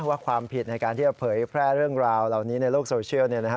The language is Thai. ว่าความผิดในการที่จะเผยแพร่เรื่องราวเหล่านี้ในโลกโซเชียล